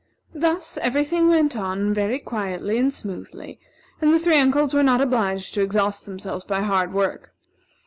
Thus every thing went on very quietly and smoothly; and the three uncles were not obliged to exhaust themselves by hard work.